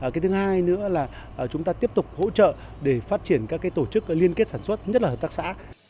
cái thứ hai nữa là chúng ta tiếp tục hỗ trợ để phát triển các tổ chức liên kết sản xuất nhất là hợp tác xã